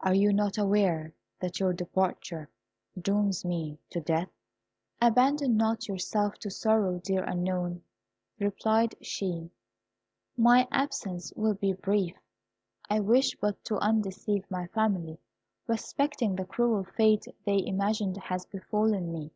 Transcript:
Are you not aware that your departure dooms me to death?" "Abandon not yourself to sorrow, dear Unknown," replied she, "my absence will be brief. I wish but to undeceive my family respecting the cruel fate they imagine has befallen me.